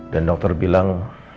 dan dokter bilang